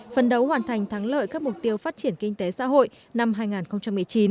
phân đấu hoàn thành thắng lợi các mục tiêu phát triển kinh tế xã hội năm hai nghìn một mươi chín